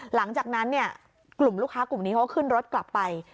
หลังจากนั้นเนี่ยกลุ่มลูกค้ากลุ่มนี้เขาก็ขึ้นรถกลับไป